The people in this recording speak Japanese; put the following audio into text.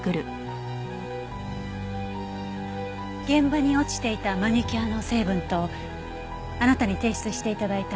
現場に落ちていたマニキュアの成分とあなたに提出して頂いた